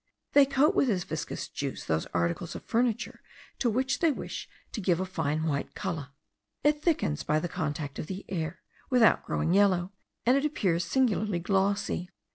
They coat with this viscous juice those articles of furniture to which they wish to give a fine white colour. It thickens by the contact of the air, without growing yellow, and it appears singularly glossy.